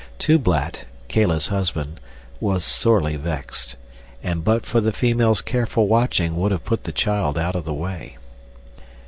Tublat, Kala's husband, was sorely vexed, and but for the female's careful watching would have put the child out of the way.